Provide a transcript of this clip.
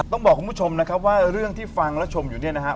ต้องบอกคุณผู้ชมนะครับว่าเรื่องที่ฟังและชมอยู่เนี่ยนะครับ